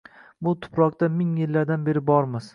Bu tuproqda ming yillardan beri bormiz.